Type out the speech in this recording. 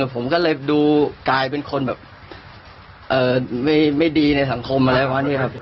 ผมก็เลยดูกลายเป็นคนแบบไม่ดีในสังคมอะไรประมาณนี้ครับ